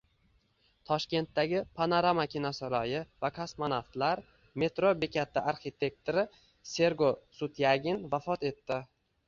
Toshkentdagi “Panorama” kinosaroyi va “Kosmonavtlar” metro bekati arxitektori Sergo Sutyagin vafot etdi